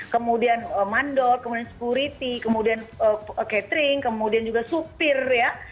kemudian mandor kemudian security kemudian catering kemudian juga supir ya